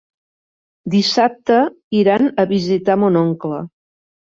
Dissabte iran a visitar mon oncle.